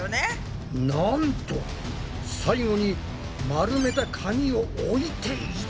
なんと最後に丸めた紙を置いていた！